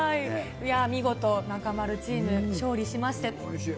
見事、中丸チーム、勝利しまして。